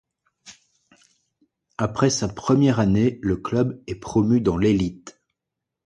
Après sa première année, le club est promu dans l'élite.